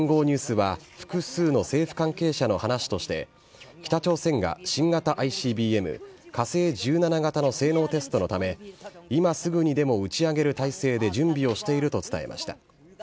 ニュースは、複数の政府関係者の話として、北朝鮮が新型ＩＣＢＭ・火星１７型の性能テストのため、今すぐにでも打ち上げる体制で準備をしていると伝えました。